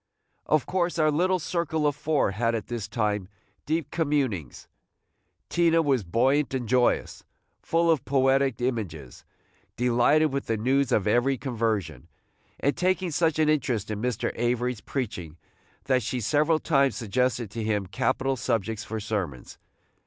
Of course our little circle of four had, at this time, deep communings. Tina was buoyant and joyous, full of poetic images, delighted with the news of every conversion, and taking such an interest in Mr. Avery's preaching that she several times suggested to him capital subjects for sermons.